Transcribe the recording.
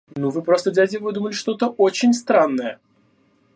Ну вы просто дядя выдумали что-то очень странное!